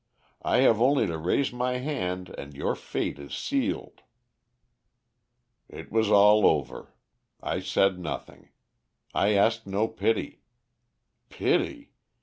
I have only to raise my hand and your fate is sealed.' "It was all over. I said nothing. I asked no pity. Pity!